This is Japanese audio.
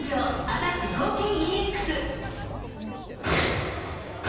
「アタック抗菌ＥＸ」